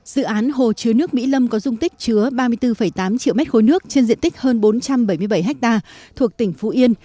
dự án hồ chứa nước mỹ lâm có dung tích chứa ba mươi bốn tám triệu mét khối nước trên diện tích hơn bốn trăm bảy mươi bảy ha thuộc tỉnh phú yên